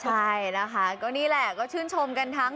ใช่นะคะก็นี่แหละก็ชื่นชมกันทั้ง